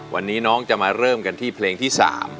วันนี้น้องจะมาเริ่มกันที่เพลงที่๓